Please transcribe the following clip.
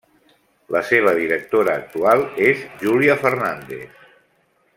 La seva directora actual és Júlia Fernández.